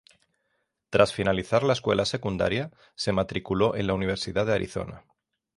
Tras finalizar la escuela secundaria, se matriculó en la Universidad de Arizona.